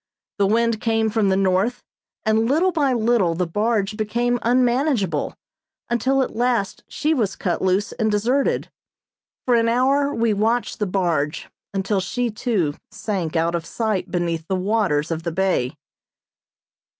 The wind came from the north, and little by little the barge became unmanageable, until at last she was cut loose and deserted. For an hour we watched the barge, until, she too, sank out of sight beneath the waters of the bay.